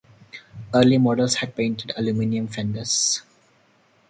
Early models had painted aluminum fenders.